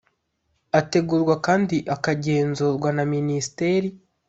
ategurwa kandi akagenzurwa na Ministeri